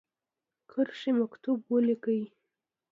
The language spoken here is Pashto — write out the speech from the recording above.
کرښې مکتوب ولیکی.